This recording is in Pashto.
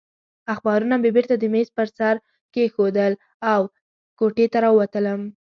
اخبارونه مې بېرته د مېز پر سر کېښودل او له کوټې راووتلم.